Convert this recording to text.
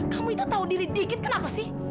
kamu itu tahu diri dikit kenapa sih